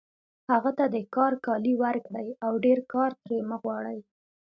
هغه ته د کار کالي ورکړئ او ډېر کار ترې مه غواړئ